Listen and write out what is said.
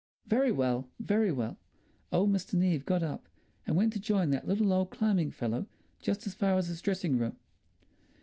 "Very well! Very well!" Old Mr. Neave got up and went to join that little old climbing fellow just as far as his dressing room....